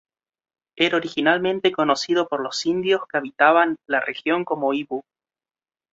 Era originalmente conocido por los indios que habitaban la región como Ibu.